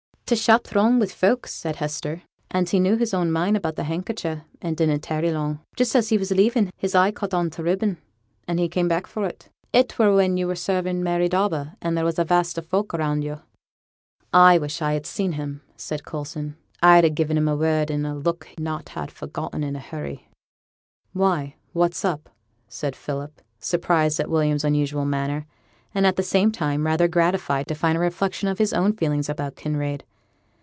'T' shop were throng wi' folk,' said Hester, 'and he knew his own mind about the handkercher, and didn't tarry long. Just as he was leaving, his eye caught on t' ribbon, and he came back for it. It were when yo' were serving Mary Darby and there was a vast o' folk about yo'.' 'I wish I'd seen him,' said Coulson. 'I'd ha' gi'en him a word and a look he'd not ha' forgotten in a hurry.' 'Why, what's up?' said Philip, surprised at William's unusual manner, and, at the same time, rather gratified to find a reflection of his own feelings about Kinraid.